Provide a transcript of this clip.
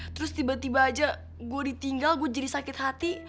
terus tiba tiba aja gue ditinggal bu jadi sakit hati